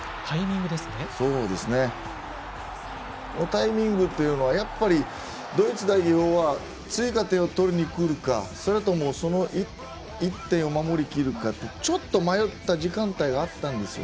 タイミングというのはやっぱりドイツ代表は追加点を取りにくるか、それともその１点を守りきるかちょっと迷った時間帯があったんです。